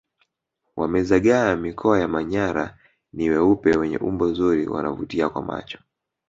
Wamezagaa mikoa ya manyara ni weupe wenye umbo zuri wanavutia kwa macho